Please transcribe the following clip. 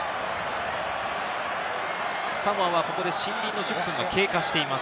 サモアはここでシンビンの１０分が経過しています。